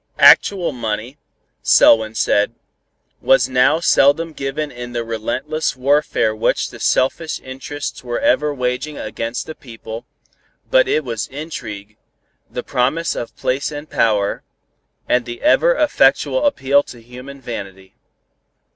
Actual money, Selwyn said, was now seldom given in the relentless warfare which the selfish interests were ever waging against the people, but it was intrigue, the promise of place and power, and the ever effectual appeal to human vanity.